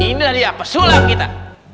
ini lah ya pesulap kita